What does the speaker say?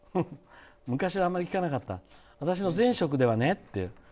昔は、あんまり聞かなかった私の前職はねって。